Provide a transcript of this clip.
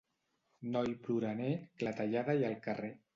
Noi ploraner, clatellada i al carrer.